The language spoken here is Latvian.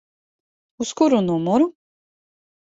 Uz kuru numuru?